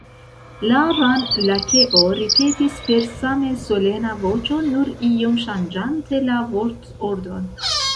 La Ran-Lakeo ripetis per same solena voĉo, nur iom ŝanĝante la vortordon.